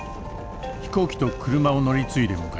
飛行機と車を乗り継いで向かいます。